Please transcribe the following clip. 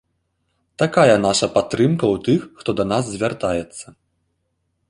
Такая наша падтрымка ў тых, хто да нас звяртаецца.